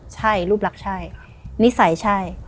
ใช่รูปรักใช่นิสัยใช่